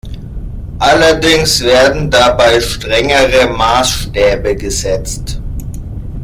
Allerdings werden dabei strengere Maßstäbe gesetzt.